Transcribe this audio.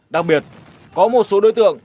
đặc biệt có một số đối tượng